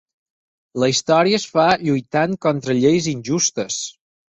La història es fa lluitant contra lleis injustes.